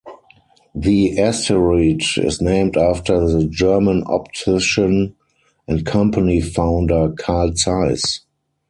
The asteroid is named after the German optician and company founder Carl Zeiss.